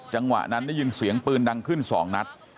จังหวะนั้นได้ยินเสียงปืนดังขึ้น๒นัด